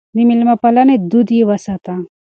د مېلمه پالنې دود يې وساته.